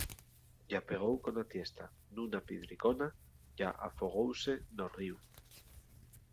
Ya pegóu cona tiesta nuna pidricona ya afogóuse no ríu.